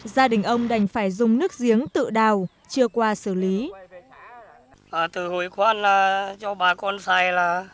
gia đình ông đành phải dùng nước giếng tự đào chưa qua xử lý